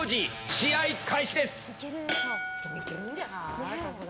試合開始です！